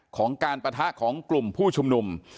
ของการปะทะของกลุ่มผู้ชุมนุม